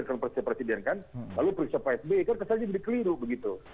kalau presiden kan lalu periksa pak sby kan kesannya jadi keliru begitu